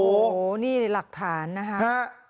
โอ้โหนี่หลักฐานนะฮะ